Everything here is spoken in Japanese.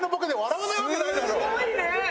すごいね！